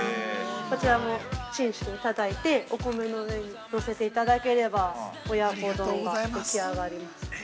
こちらもチンしていただいて、お米の上にのせていただければ親子丼ができ上がります。